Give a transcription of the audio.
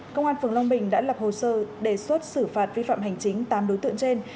công an phường long bình đã lập hồ sơ đề xuất xử phạt vi phạm hành chính tám đối tượng trên